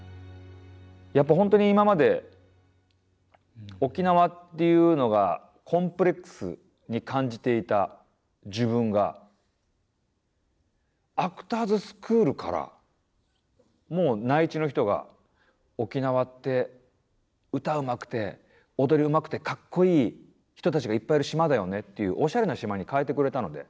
やっぱ本当に今まで沖縄っていうのがコンプレックスに感じていた自分がアクターズスクールからもう内地の人が沖縄って歌うまくて踊りうまくてかっこいい人たちがいっぱいいる島だよねっていうおしゃれな島に変えてくれたので。